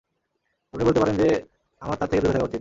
আপনি বলতে পারেন যে, আমার তার থেকে দূরে থাকা উচিত।